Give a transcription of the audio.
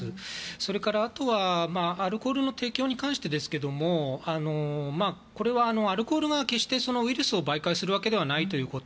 それから、あとはアルコールの提供についてですがこれはアルコールが決してウイルスを媒介するわけではないということ。